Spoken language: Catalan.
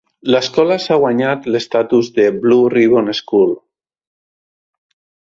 L'escola s'ha guanyat l'estatus de Blue Ribbon School.